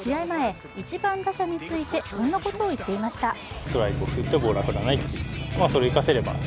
前、１番打者についてこんなことを言っていました。